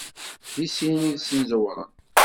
Deg sin yid-sen ẓewren.